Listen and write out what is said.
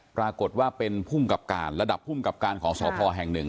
ปรากฏว่าเป็นภูมิกับการระดับภูมิกับการของสพแห่งหนึ่ง